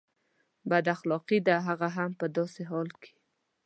بد اخلاقي ده هغه هم په داسې حال کې.